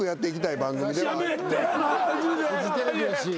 フジテレビやし。